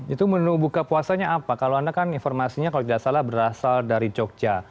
itu menu buka puasanya apa kalau anda kan informasinya kalau tidak salah berasal dari jogja